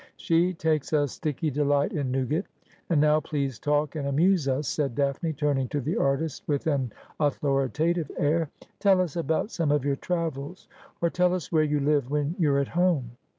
She takes a sticky delight in nougat. And now please talk and amuse us,' said 20 AspliorJel. Daphne, turning to the artist with an authoritative air. 'Tell us about some of your travels, or tell us where you live when you're at home.'